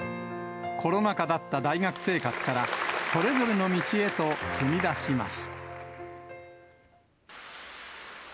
コロナ禍だった大学生活から、それぞれの道へと踏み出します。